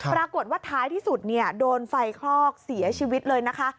ปรากฏว่าท้ายที่สุดโดนไฟคลอกเสียชีวิตเลยนะคะ